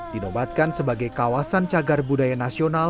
dinobatkan sebagai kawasan cagar budaya nasional